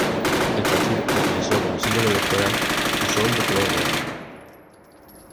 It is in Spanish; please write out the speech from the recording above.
El partido utilizó como símbolo electoral, un sol de color verde.